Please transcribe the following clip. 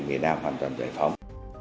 người nam hoàn toàn giải phóng